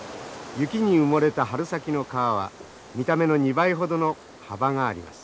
雪に埋もれた春先の川は見た目の２倍ほどの幅があります。